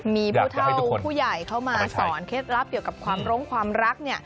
มีผู้เท่าผู้ใหญ่เข้ามาสอนเคล็ดลับเกี่ยวกับความร้งความรักเนี่ย